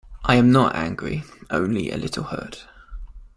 I am not angry, only a little hurt.